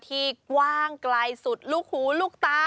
ที่กว้างไกลสุดลูกหูลูกตา